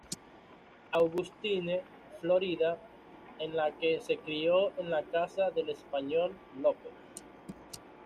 Augustine, Florida, en la que se crio en la casa del español López.